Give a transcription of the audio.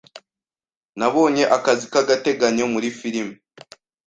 Nabonye akazi k'agateganyo muri firime.